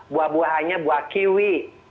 buah buahnya buah kiwi